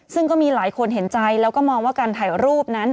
ซึ่งก็มีหลายคนเห็นใจแล้วก็มองว่าการถ่ายรูปนั้น